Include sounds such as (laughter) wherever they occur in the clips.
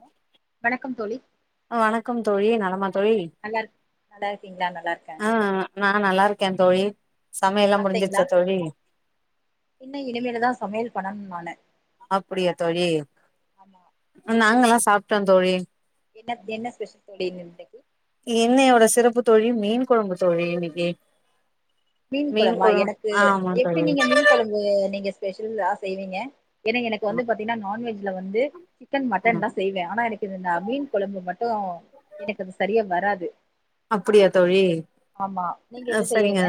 (inaudible) வணக்கம் தோழி வணக்கம் தோழி நலமா தோழி நல்லா இருக் நல்லா இருக்கீங்களா நல்லா இருக்கே ஆ நா நல்லாரு கேந் தோழி சமையல்லா சாப்ட்டீங்ளா முடிஞ்சிருச்சா தோழி இன்னு இனிமேலுதா சமையல் பண்ணனுன் நானு அப்பிடியா தோழி ஆமா நாங்கல்லா சாப்ட்டோந் தோழி என்னத் என்ன ஸ்பெஷல் தோழி (unintelligible) இன்னக்கி இன்னையோட சிறப்பு தோழி மீன் கொழம்பு தோழி இன்னிக்கி மீன் கொழம்பா எனக்கு எப்டி தோழி நீங்க மீன் கொழம்பு நீங்க ஸ்பெஷல்லா செய்வீங்க ஏனா எனக்கு வந்து பாத்தீனா நான்வெஜ்ல வந்து க்கன் மட்டன்லா செய்வே ஆனா எனக்கு இது நா மீன் கொழம்பு மட்டு எனக்கு அது சரியா வராது அப்பிடியா தோழி ஆமா நீங்க அ எப்டி சரிங்க செய்வீங்க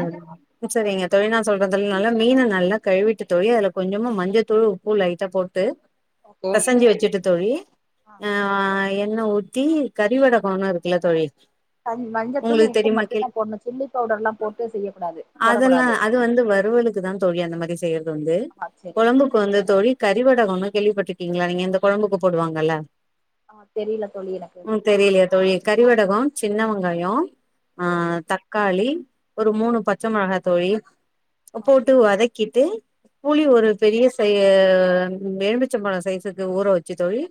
சரிங்க தோழி நா சொல்ற தோழி நல்லா மீனை நல்லா கழுவிட்டு தோழி அதுல கொஞ்சமா மஞ்சத்தூளு உப்பு லைட்டா போட்டு ஓகே பெசஞ்சி வெச்சிட்டு தோழி ஆ வ அ எண்ண ஊத்தி கறிவடகோன்னு இருக்குல்ல தோழி கஞ் மஞ்ச தூள் உங்களுக்கு உப்பு தெரியுமா கேள்வி மட்டுந்தா போட்ணு சில்லி பவுடர் எல்லாம் போட்டு செய்யக்கூடாது அதெல்லாம் போடகூடாது அது வந்து வறுவலுக்கு தா தோழி அந்த மாரி செய்யறதுண்டு ஆ செரி கொழம்புக்கு வந்து தோழி கறிவடகோனு கேள்விப்பட்ருக்கீங்ளா நீங்க இந்த கொழம்புக்கு போடுவாங்கல்ல ஆ தெரியல தோழி எனக்கு அது ம் தெரியு இல்லையா தோழி கறிவடகோ சின்னவ ங்காயோ ஆ தக்காளி ஒரு ஆ மூணு பச்ச மெளகா தோழி ஓகே போட்டு வதக்கிட்டு புளி ம் ஒரு பெரிய சைய எலுமிச்சம்பழோ சைஸுக்கு ஊற வெச்சு தோழி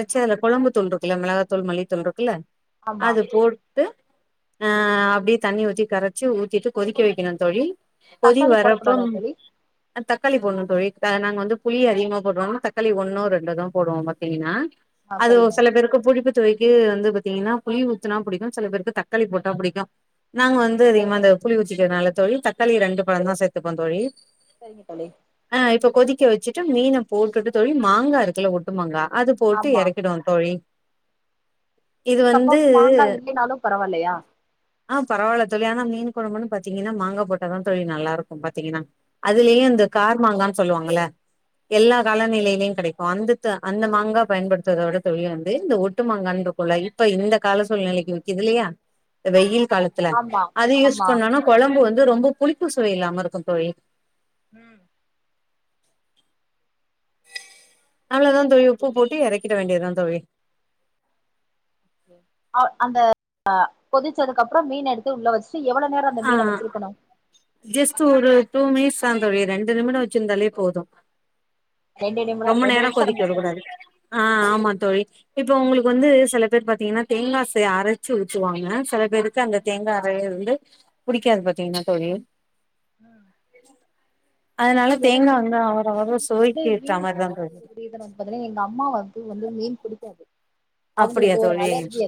ம் அதுல கொழம்பு தூள்ரு கில்ல மிளகாத்தூள் மல்லித்தூள்ருக்குல்ல ஆமா அது போ டு ஆ அப்டியே தண்ணி ஊத்தி கரைச்சு ஊத்திட்டு கொதிக்க வெக்கணு தோழி கொதி தக்காளி வரப்போம் போடக்கூடாதா தோழி அ தக்காளி போண்ணு தோழி அ நாங்க வந்து புளிய அதிகமா போட்ற (unintelligible) தக்காளி ஒன்னோ ரெண்டோதா போடுவோ பாத்தீங்கன்னா ஆ அது ஒரு சரிங்க சில பேருக்கு புளிப்பு துவைக்கு வந்து பாத்திங்கன்னா புளி ஊத்துனா புடிக்கு சில பேருக்கு தக்காளி போட்டா புடிக்கு நாங்க வந்து அதிகமா அந்த புளி ஊத்திக்கிறதனால தோழி தக்காளிய ரெண்டு பழந்தா சேத்துப்போந் தோழி செரிங்க தோழி ஆ இப்ப கொதிக்க வெச்சிட்டு மீன போட்டுட்டு தோழி மாங்கா இருக்குல்ல ஒட்டுமாங்கா அது போட்டு ஆமா எறக்கிடுவோந் தோழி இது வந்து சப்போஸ் மாங்கா இல்லைனாலு பரவால்லையா ஆ பரவால தோழி ஆனா மீனு கொழம்புன்னு பாத்திங்கன்னா மாங்கா போட்டா தாந் தோழி நல்லாருக்கு பாத்திங்கன்னா அதுலியு இந்த கார்மாங்கான் சொல்லுவாங்கள்ல எல்லா காலநிலைலியு கெடைக்கு அந்த த அந்த மாங்கா பயன்படுத்துவத வட தோழி வந்து இந்த ஒட்டு மாங்கான் ருக்குல்ல இப்ப இந்த கால சூழ்நிலைக்கு வி க்கிது இல்லையா வெயில் காலத்தில ஆமா அது யூஸ் ஆமா பண்ணோனா கொழம்பு வ ந்து ரொம்போ புளிப்பு சுவை இல்லாம இருக்கு தோழி ம் அவ்ளதா தோழி உப்பு போட்டு எறக்கிட வேண்டியதாந் தோழி ஆவ் அந்த கொதிச்சதுக்கு அப்புறோ மீன் எடுத்து உள்ள வெச்சு எவ்வளவு நேரம் அந்த ஆ மீன வச்சிருக்கணு ஜஸ்ட் ஒரு டூ மினிட்ஸ் தா தோழி ரெண்டு நிமிடம் வச்சிருந்தாலே போது ரெண்டு நிமிடோ ரொம்ப ரெண்டு நேரம் நிமிஷோ கொதிக்க விடுக்க இருந்துச்சுன்னா கூடாது போது ஆ ஆமா தோழி இப்ப உங்களுக்கு வந்து சில பேர் பாத்தீங்கன்னா தேங்காசு அரைச்சு ஊத்துவாங்க சில பே ருக்கு அந்த ம் தேங்காய் அறைய வந்து புடிக்காது பாத்தீங்கன்னா தோழி ம் அதனால தேங்காய் வந்த எப்படி வந்து மீன் சாப்பிடாதுந்து பாத்தீங்கன்னா எங்க அம்மாாவ வந்து வந்து மீன் பிடிக்காது அப்படியா அவங்களுக்கு ஒரு தோழி அலர்ஜி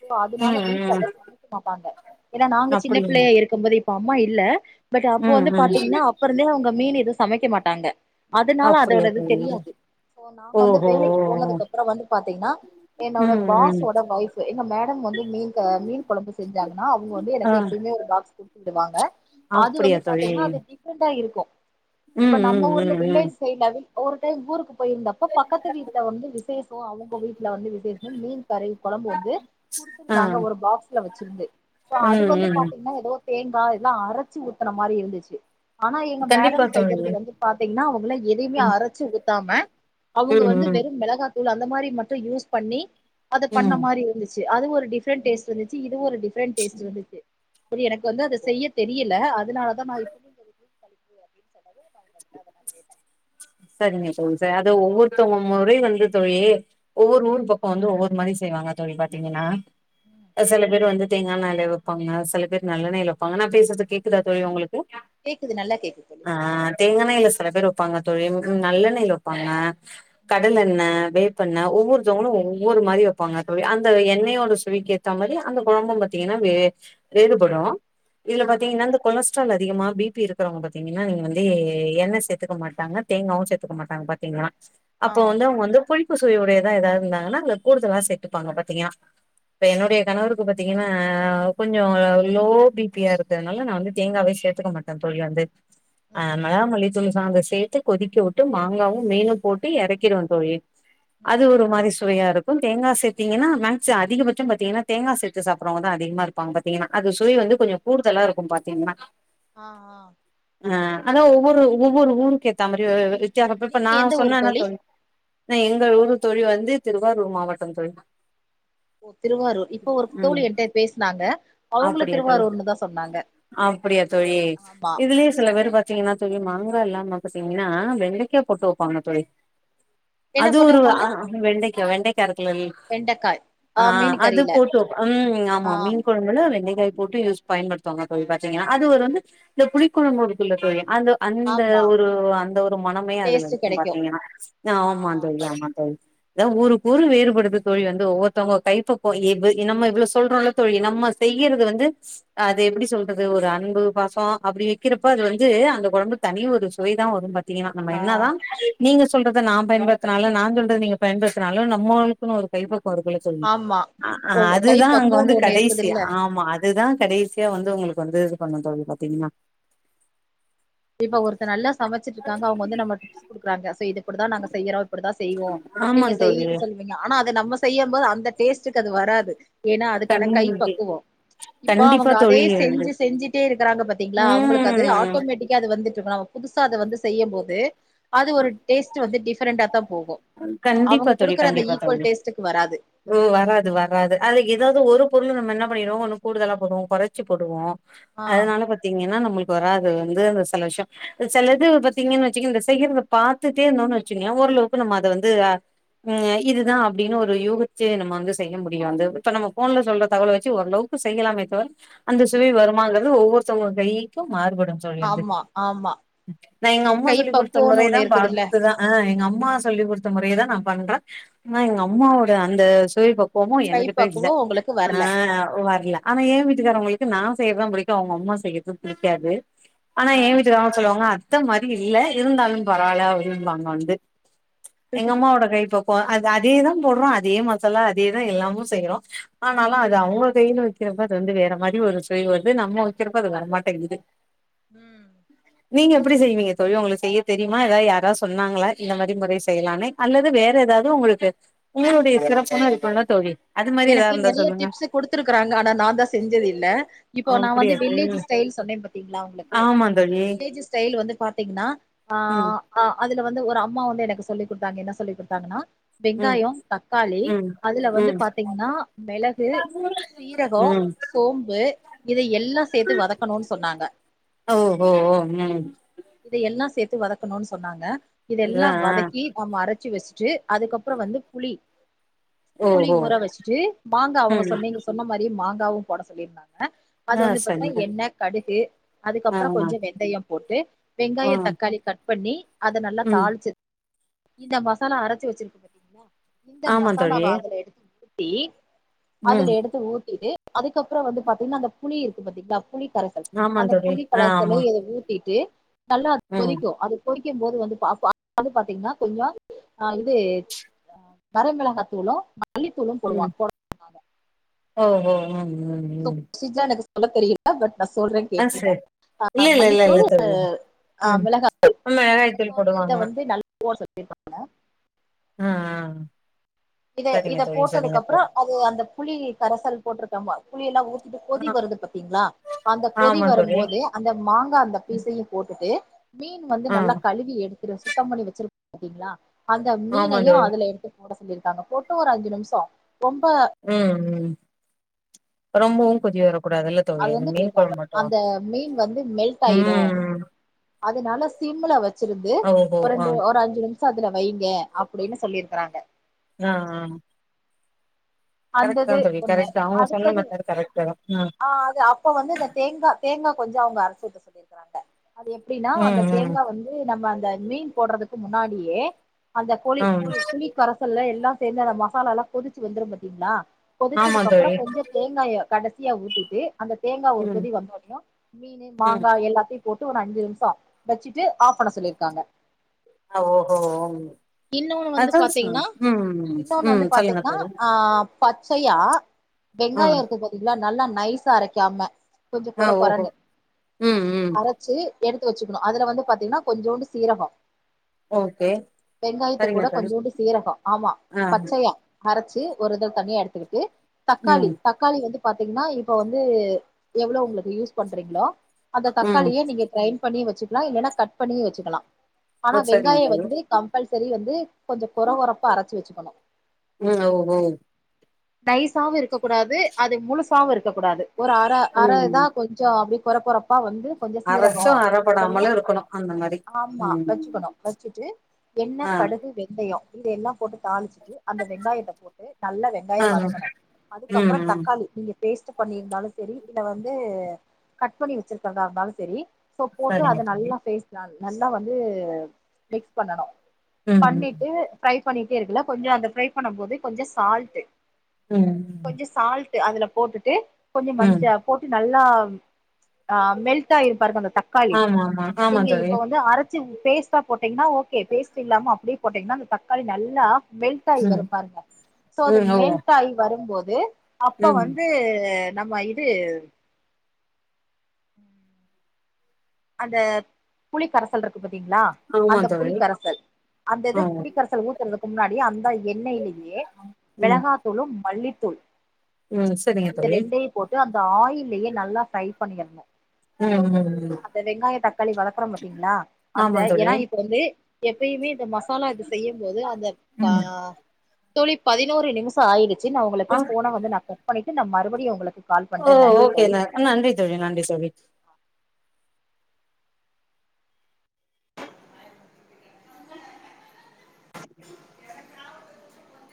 சோ அதனால ம் வீட்டல ம் அத சமைக்க மாட்டாங்க ஏன்னா நாங்க சின்ன அப்படியா பிள்ளையா இருக்கும் போது இப்ப அம்மா இல்ல பட் அப்ப ம் வந்து ம் பாத்தீங்கன்னா அப்ப இருந்தே அவங்க மீன் எத சமைக்க மாட்டாங்க அதனால அப்படியா அதோடது தோழி தெரியாது சோ நாங்க வந்து ஓஹோ வேலைக்கு போனதுக்கு அப்புறம் வந்து பாத்தீங்கன்னா என்னோட ம் ம் பாஸோட ஒயஃப் எங்க மேடம் வந்து மீன் மீன் குழம்பு செஞ்சாங்கன்னா அவங்க வந்து ஆ எனக்கு எப்புமே ஒரு பாக்ஸ் கொ விடுவாங்க அது அப்படியா வந்து தோழி பாத்தீங்கன்னா அது டிஃப்ரெண்டா இருக்கு இப்ப ம் நம்ம ம் ஊர்ல ம் ம் வில்லேஜ் சைடுல ஒரு டைம் ஊருக்கு போயிருந்தப்ப பக்கத்து வீட்ட வந்து விசேஷ அவங்க வீட்டுல வந்து விசேஷம் மீன் கறி குழம்பு வந்து ஆ குடுத்துிருந்தாங்க ஒரு பாக்ஸ்ல வச்சிருந்து சோ அது ம் வந்து ம் பாத்தீங்கன்னா ஏதோ தேங்காய் எல்லா அரைச்சு ஊத்தன மாதிரி இருந்துச்சு ஆனா எங்க கண்டிப்பா மேடம் தோழி செய்யறது ம் வந்து பாத்தீங்கன்னா அவங்கலா எதையுமே ம் அரைச்சு ஊத்தாம அவங்க வந்து ம் வெறும் மிளகாத்தூள் அந்த மாரி மட்டும் யூஸ் பண்ணி அதை பண்ண ம் மாரி இருந்துச்சு அது ஒரு டிஃப்ரெண்ட் டேஸ்ட் இருந்துச்சு இதுவு ஒரு டிஃபிரண்ட் டேஸ்ட் இருந்துுச்சு எனக்கு வந்து அதை செய்ய தெரியு ல அதனாலதா நா இப்ப (inaudible) சரிங்க சரி அதது ஒவ்வொருத்தவ முறை வந்து தோழி ஒவ்வொரு ம் ஊர் பக்கம் வந்து ஒவ்வொரு மனுஷ செய்வாங்க தோழி பார்த்தீங்கன்னா ம் சில பேர் வந்து ங்கள தேங்க எண்ணெய்ல வைப்பாங்க சில பேர் நல்ல எண்ணெய்ல வைப்பாங்க நா பேசறது கேக்குதா தோழி உங்களுக்கு கேக்குது நல்லா கேக்குது தோழி (inaudible) ஆ தேங்காண்ணெய் ல்ல சில பேரு வப்பாக ப்பாங்க தோழி நல்லெண்ணெய வைப்பாங்க ம் கடல் எண்ணெ வேப்பெண்ண ம் ஒவ்வொருத்தவங்களும் ஒவ்வொரு ஊ மாதிரி வைப்பாங்க அந்த எண்ணெயோ ஒரு சுவிக்கு ஏற்ற மாதிரி அந்த குழம்பம் பார்த்தீங்கன்னா வே வேறுபடு இதுல ம் பாத்தீங்கன்னா இந்த கொலஸ்ட்ரால் அதிகமா பி எப்பி இருக்கிறவங்க பாத்தீங்கன்னா நீங்க வந்து எண்ணெய் சேத்துக்க மாட்டாங்க தேங்காயாவும் சேத்துுக்க மாட்டாங்க பாத்தீங்கன்னா ஆ அப்போ வந்து அவங்க வந்து புளிப்பு சுவையுடையதா ஏதாவது இருந்தாங்கன்னா அது கூடுதலா சேர்த்துப்பாங்க பாத்தீங்கா இப்ப என்னுடைய கணவருக்கு பாத்தீங்கன்னா கொஞ்சம் லோ பிபியா இருக்கு அதனால நா வந்து தேங்காவ சேர்த்துக்க மாட்டே தோழி வந்து அ ம் மலா மல்லி தூ சாந்து சேர்த்து கொதிக்க விட்டு மாங்காவும் மீனும் போட்டு இறக்கிறவன் தோழி ம் அது ஒரு மாதிரி சுவையா இருக்கும் தேங்காய் சர்த்தீங்கன்னா மேக்சிம் அதிகபட்சம் பாத்திங்கன்னா தேங்காய சேர்த்த சாப்டடுறவங்க தான் அதிகமாக இருப்பாங்கா பாத்தீங்கன்னா அது சுவை வந்து ம் கொஞ்சம் கூடுதலா இருக்கும் பாத்தீங்கன்னா ஆ ஆ ஆ அதான் ஒவ்வொரு ஒவ்வொரு ஊருக்கு ஏத்த மாதிரி வித்தியாசப்ப இப்ப நீங்க எந்த நான் ஊரு சொன்னேன இல்ல தோழி எங்க ஊரு தோழி வந்து திருவாரூர் மாவட்டம் தோழி ஓ திருவாரூர் இப்ப ஒரு தோழி ம் என்கிட்ட பேசினாங்க அவங்கலும் அப்படியா தோழி திருவாரூர்னுதான் சொன்னாங்க அப்படியா தோழி ஆமா இதுலயே சில பேரு பாத் பாத்தீங்கன்னா தோழி மாங்காய எல்லாம பாத்தீங்கன்னா வெண்டைக்கா போட்டு வைப்பாங்க தோழி என்ன அது போட்டு ஒரு வப்பாங்க வெண்டைக்கா வெண்டைக் ல வெண்டக்காய் ஆ மீன் அது கறில போட்டு ம் ஆமா ஆ மீன் கொழம்புல வெண்டை போட்டுயூஸ் பயன்படுத்துவாங்க தோழி பாத்தீங்கன்னா அது ஒரு வந்து இந்த புளிக்குழம்பு (unintelligible) டுத்துள்ள தோழி அந்த அந்த ஆமா ஒரு அந்த ஒரு மனமே அதுல டேஸ்ட் இருக்கும் கெடைக்கு பார்த்தீங்கன்னா ஆ ஆமா தோழி ஆ ஆம் அதான் ஊருக் ஊரு வேறுபடுது தோழி வந்து ஒவ்வொத்தவங்க கைப்பக்குவம் நம்ம இவ்வளோ சொல்றோம்ல்ல தோழி நம்ம செய்யரது வந்து அது எப்படி சொல்றது ஒரு அன்பு பாசம் அப்படி வைக்கிறப்ப அது வந்து அந்த குலம்பு தனி ஒரு ருசி சுவை தான் வரும் பாத்தீங்கன்னா நம்ம ஆ என்ன தான் நீங்க சொல்றதை நான் பயன்படுத்தினாலும் நான் சொல்றது நீங்க பயன்படுத்தினாலும் நம்மளுக்கு ஒரு கைப்பக்கு போறக்குள்ள சொல்னு ஆமா அ அ ஓ, அது கை தா அங்க வந்து பக்குவம்னு ஒண்ணு கடைசி இருக்குதுல்ல ஆமா அது தா கடைசியா வந்து உங்களுக்கு வந்து இது பண்ண தோழி பாத்தீங்ன்னா இப்ப ஒருத்த நல்லா சமச்சிட்ருக்காங்க அவங்க வந்து நமக் டிப்ஸு குடுக்கறாங்க சோ இது இப்டி தா நாங்க செய்யறோ அப்டி தா செய்வோ ஆமா நீங்க தோழி செய்யின் சொல்வீங்க ஆனா அத நம்ம செய்யும்போது அந்த டேஸ்ட்டுக்கு அது வராது ஏனா கண் அதுக்கான கை பக்குவோ இப்ப அவங்க கண்டிப்பா அதே தோழி வந்து செஞ்சு செஞ்சுட்டே இருக்கறாங்க பாத்தீங்ளா அவுங்களுக்கு அது ம் ஆட்டோமேட்டிக் (unintelligible) நாம புதுசா அத வந்து செய்யம்போது அது ஒரு டேஸ்ட்டு வந்து டிஃப்ரெண்டா தா போகு கண்டிப்பா அவங்க தோழி குடுக்குற அந்த கண்டிப்பா ஈக்குவல் தோழி டேஸ்ட்டுக்கு வராது ஓ வராது வராது அதுல ஆமா. எதாவது ஒரு பொருளு நம்ம என்ன பண்ணீருவோ ஒன்னு கூடுதலா போடுவோ கொறச்சு போடுவோ ஆ அதுனால பாத்தீங்கன்னா நம்மளுக் வராது அதுல வந்து அந்த செல விஷ்யோ செலது பாத்தீங்கன் வச்சுக்கிங்க செய்யறத பாத்துட்டே இர்ந்தோனு வச்சுக்கிங்க ஓரள வு நம்ம அத வந்து அ இதுதா அப்டினு ஒரு யூகிச்சு நம்ம வந்து செய்ய முடியு வந்து இப்ப நம்ம ஃபோன்ல சொல்ற தகவல வெச்சி ஓரளவுக் கு செய்யலாமே தவர அந்த சுவை ம் வருமாங்கறது ஒவ்வொருத்தவங்க கைக்கு மாறுபடும் தோழி வந்து ஆமா ஆமா நா எங்கம்மா கை சொல்லி் குடுத்த பக்குவோன்னு முறை தா ஒண்ணு இருக்குதுல்ல பாத்து தா ஆ எங்கம் மா சொல்லிக் குடுத்த முறைய தா நா பண்றே ஆனா எங்கம்மாவோட அந்த சுவைப்பக் குவமு கை எங்ககிட்ட இல்ல பக்குவோ உங்களுக்கு ஆ வரல வர்ல ஆனா ஏ வீட்டுக்காரவங்கள்க்கு நா செய்யறதா பிடிக்கு அவங்க அம்மா செய்யறது பிடிக்காது ஆனா ஆ எ வீட்டுக்காரங்க சொல்லுவாங்க அத்த மாரி இல்ல இருந்தாலு பரவால்ல அப்டிம்பாங்க வந்து எங்கம்மாவோட கைப்பக்குவோ அது அதே தா போட்றோ அதே மசாலா அதே தா எல்லாமு செய்றோ ஆ ஆனாலு அது அவுங்க கை இர்ந்து வெ க்கிறப்ப அது வந்து வேற மாரி ஒரு சுவை வருது நம்ம வெக்கிறப்ப அது வரமாட்டேங்குது ம் நீங்க எப்பிடி செய்வீங்க தோழி உங்களுக்கு செய்ய தெரியுமா எதா யாரா சொன்னாங்களா இந்த மாதிர் முறை செய்யலானு அல்லது வேற எதாவது உங்களுக்கு உங்களுடைய சிறப்புன்னா (inaudible) என்ன தோழி அது மாரி ஏதா எனக்கு இருந்தா நெறைய சொல்லுங்க டிப்ஸு குடுத்துருக்கறாங்க ஆனா நா தா செஞ்சதில்ல இப்ப நா வந்து அப்டியா தோழி வில்லேஜு ஸ்டைல் சொன்னே பாத்தீங்ளா உங்களுக்கு ஆமா சோ தோழி வில்லேஜு ஸ்டைலு வந்து பாத்தீங்ன்னா அ ம் ஆ அதுல வந்து ஒரு அம்மா வந்து எனக்கு சொல்லி் குடுத்தாங்க என்ன சொல்லி் குடுத்தாங்கன்னா ம் வெங்காயோ, தக்காளி ம் அதுல வந்து ம் பாத்தீங்ன்னா மெளகு சீரகோ, ம் சோம்பு இத எல்லா சேத்து வதக்கனு சொன்னாங்க ஓ ஓ ஓ ம் எல்லா சேத்து வதக்கனு சொன்னாங்க, இதெல்லா அதா வதக்கி நம்ம அரச்சு வெச்சிட் டு அதுக்கப்றோ வந்து புளி ம் ம் ச்சிட்டு மாங்கா அவுங்க சொன் நீங்க சொன்ன மாரியே மாங்காவு போட சொல்லிர்ந்தாங் க அது ஆ வந்து பாத்தீனா சரி தோழி எண்ண, கடுகு, ஆ அதுக்கப்றோ ஆ கொஞ்ச வெந்தயோ போட்டு ஆ வெங்காயோ, தக்காளி கட் பண்ணி அத நல்லா ம் தாளிச்சு இந்த மசாலா அரச்சு வெச்சிருக்கு பாத்தீங்ளா, இந்த ஆமா மசாலாவ தோழி அதுல எடுத்து ஊத் தி ம் அதுல எடுத்து ஊத்திட்டு அதுக்கப்றோ வந்து பாத்தீங்னா, அந்த புளி இருக்கு பாத்தீங்களா புளி கரசல் ஆமா அந்த தோழி புளி ஆ கரசல்லு ஆமா இத ஊத்திட்டு நல்லா அத் ம் கொதிக்கு அது கொதி க்கும் போது வந்து பா பா (inaudible) பாத்தீங்னா கொஞ்சோ ஆ இது வரமிளஹா தூளு, மல்லித்தூளு ம் போடுவாங்க (inaudible) ஓ ஓ ம் ம் (inaudible) ம் ஜ்ஜா எனக்கு சொல்ல தெரியில பட் நா சொல்றேன் ஆ கேட்டீனா சரி ஆ இல்ல இல்ல இல்ல இல்ல மல்லித்தூள் அ ஆ மிளகா (inaudible) காயத்தூள் போடுவாங்க (inaudible) ணு ஆ ஆ இத சரிங்க இத தோழி சரிங்க போட்டதுக்கப்புறோ தோழி அது அந்த புளி கரசல் போட்ருக்கமா புளியெல்லா ஊத் இது ஆ கொதி வருது பாத்தீங்ளா அந்த கொதி ஆமா தோழி வரம்போதே அந்த மாங்கா அந்த பீசையு போட்டுட்டு மீன் வந்து ஆ நல்லா கழுவி எடுத்துரு சுத்தம் பண்ணி வச்சிருப்போ பாத்தீங்களா அந்த ஆமா மீனயு தோழி அதுல எடுத்து போட சொல்லிருக்காங்க போட்டு ஒரு அஞ்சி நிமிஷோ ம் ம் ரொம்பவு கொதி வரக் கூடாதுல்ல அது தோழி அந்த வந்து மீன் சொல்லியிருக்காங்க கொழம்பு மட்டு அந்த மீன் வந்து மெல்ட் ஆயிரும் ம் அதனால சிம்ல வச்சிருந்து ஓஹோ ஒரு ஆ ரெண்டு ஒரு அஞ்சி நிமி ஷோ அதுல வைங்க அப்டின்னு சொல்லியிருக்குறாங்க ஆ ஆ கரெட் தா அந்தது தோழி ஒண்ணு கரெட் தா அவங்க சொன்ன அடுத்தது மெத்தேட் கரெட் தா ம் ஆ அது அப்ப வந்து அத தேங்கா தேங்கா கொஞ்சோ அவங்க அரச்சூத்த சொல்லிருக்காங்க அது எப்டின்னா அந்த ம் ம் தேங்கா வந்து நம்ப அந்த மீன் போட்றதுக்கு முன்னாடியே அந்த கொழி ம் பு புளி கரசல்ல எல்லா சேந்து அந்த மசாலாலா கொதிச்சு வெந்துரு பாத்திங்ளா ஆமா கொதிச்சதுக்கு அப்றோ தோழி கொஞ்சோ தேங்காய கடசியா ஊத்திட்டு அந்த தேங்கா ஒரு ம் கொதி வந்தோனயு மீனு ம் மாங்கா எல்லாத்தையு போட்டு ஒரு அஞ்சி நிமிஷோ வச்சிட்டு ஆப் பண்ண சொல்லிருக்காங்க ஆ ஓஹோ இன்னொன்னு வந்து அதா பாத்தீங்ன்னா சொன் ம் இன்னொன்னு ம் வந்து சொல்லுங்க பாத்தீங்ன்னா தோழி ஆஹ் பச் சயா ஆ வெங்காயோ இருக்கு பாத்தீங்ளா நல்லா நைஸா அரைக்காம கொஞ்சோ ஆ கொற ஓஹோ கொறன்னு ம் ம் அரச்சி எடுத்து வச்சுக்கனு அதுல வந்து பாத்தீங்கன்னா கொஞ்சூன்டு சீரகோ ஓகே வெங்காயத்த சரிங்க குட தோழி கொஞ்சுண்டு சீரகோ ஆமா ஆ பச்சையா அரச்சி ஒரு இதுல தனியா எடுத்துக்கிட்டு தக்காளி ம் தக்காளி வந்து பாத்தீங்கன்னா இப்ப வந்து எவ்ளோ ஒங்ளுக்கு யூஸ் பண்றீங்களோ அந்த ம் தக்காளியே நீங்க ட்ரைன் பண்ணியு வச்சுக்லா இல்லனா கட் பண்ணியு வச்சுகலா ஆனா ஆ சரிங்க வெங்காய தோழி வந்து கம்பல்சரி வந்து கொஞ்சோ கொர கொரபா அரச்சி வச்சுகனு ம் ஓஹோ நைசாவு இருக்க கூடாது அது முழுசாவு இருக்க கூடாது ஒரு அர அர ம் இதா கொஞ்சோ அப்டி கொர கொரப்பா வந் து கொஞ்சோ சீரகோ அரைச்சும் இதெல்லா அறப்படாமலும் இருக்கணும் அந்த மாரி ஆமா ம் வச்சுக்கனு வச்சிட்டு எண்ணெ ஆ கடுகு வெந்தயோ இத எல்லா போட்டு தாளிச்சிட்டு அந்த வெங்காயத்த போட்டு நல்லா வெங்காயோ ஆ வதங்கனு ம் அதுக்கப்றோ தக் ம் நீங்க பேஸ்ட்டு பண்ணிருந்தாலும் செரி இல்ல வந்து கட் பண்ணி வச்சிருக்கிறதா இருந்தாலு சரி சோ போட்டு சரிங்க அத தோழி நல்லா பேஸ் நல்லா வந்து மிக்ஸ் பண்ணனு ம் பண்ணிட்டு ஃப்ரை பண்ணிட்டே இருக்கலா கொஞ்சோ அத ஃப்ரை பண்ண போது கொஞ்சோ சால்ட்டு ம் அதுல போட்டுட்டு கொஞ்சோ ம் ம் மஞ்ச போட்டு நல்லா ஆ மெல்டா ஆயிருப்பாருங்க அந்த தக்காளி ஆமா ஆமா ஆமா நீங்க தோழி இப்ப வந்து அரச் சி பேஸ்ட்டா போட்டீங்கன்னா ஓகே பேஸ்ட் இல்லாம அப்டியே போட்டீங்கன்னா அந்த தக்காளி நல்லா மெல்ட்டாய் ம் வரு பாருங்க சோ அது ம் ஓ மெல்ட்டாயி வரும்போது அப்ப ம் வந்து நம்ப இது அந்த புளி கரசல் இருக்கு பாத் திங்ளா ஆமா அந்த தோழி புளிக்கரசல் அந்த ஆ இது புளிக்கரசல் ஊத்தறதுக்கு முன்னாடி அந்த எண்ணெய்லியே ம் மிளகாத்தூளு மல்லித்தூள் ம் சரிங்க இந்த தோழி ரெண்டையு போட்டு அந்த ஆயில்லயே நல்லா ஃப்ரை பண்ணியர்னு ம் ம் ம் அந்த வெங்காயோ தக்காளி வதக்குறோ பாத்தீங்களா அந்த ஆமா ஏனா தோழி இப்போ வந்து எப்பயுமே இந்த மசாலா செய்யம் போது அந்த பா ம் தோழி பதினோரு நிமிஷோ ஆயிடுச்சி நா ஆ ஒங்ளுக்கு ஃபோன வந்து நா கட் பண்ணிட்டு நா மறுபடியு ஒங்ள ஓ ஓகே ந நன்றி தோழி நன்றி தோழி